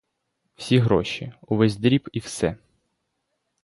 Всі гроші, увесь дріб і все.